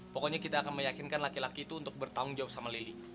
pokoknya kita akan meyakinkan laki laki itu untuk bertanggung jawab sama lili